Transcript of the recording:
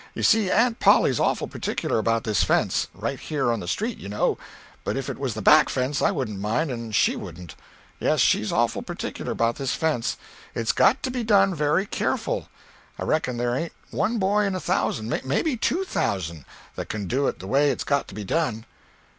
You see, Aunt Polly's awful particular about this fence—right here on the street, you know—but if it was the back fence I wouldn't mind and she wouldn't. Yes, she's awful particular about this fence; it's got to be done very careful; I reckon there ain't one boy in a thousand, maybe two thousand, that can do it the way it's got to be done."